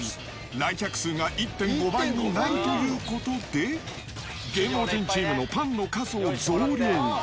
来客数が１．５倍になるということで、芸能人チームのパンの数を増量。